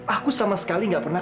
aku sama sekali gak pernah